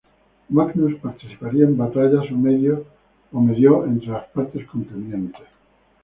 Magnus participaría en batallas o medió entre las partes contendientes.